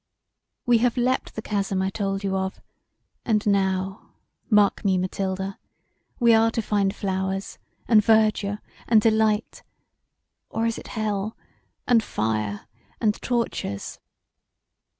We have leapt the chasm I told you of, and now, mark me, Mathilda, we are to find flowers, and verdure and delight, or is it hell, and fire, and tortures?